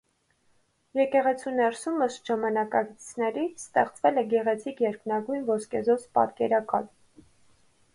Եկեղեցու ներսում, ըստ ժամանակակիցների, ստեղծվել է գեղեցիկ երկնագույն ոսկեզօծ պատկերակալ։